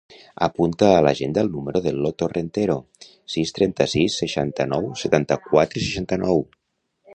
Apunta a l'agenda el número de l'Otto Rentero: sis, trenta-sis, seixanta-nou, setanta-quatre, seixanta-nou.